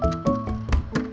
ya udah deh